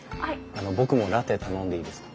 あの僕もラテ頼んでいいですか。